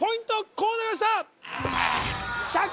こうなりました